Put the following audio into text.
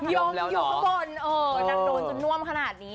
ยกอยู่ข้างบนเออนางโดนจนน่วมขนาดนี้